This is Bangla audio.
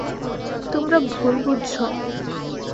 তোমরা ভুল বুঝছ।